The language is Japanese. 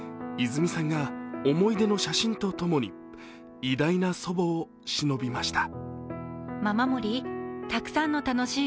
泉さんが思い出の写真と共に偉大な祖母をしのびました。